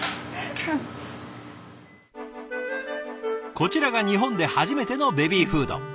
こちらが日本で初めてのベビーフード。